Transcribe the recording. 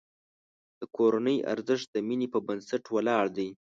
د کورنۍ ارزښت د مینې په بنسټ ولاړ دی.